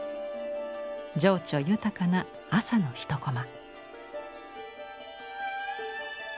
情緒豊かな朝の一コマ。